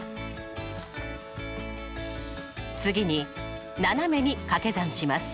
次に斜めに掛け算します。